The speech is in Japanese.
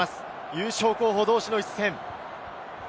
優勝候補同士の一戦。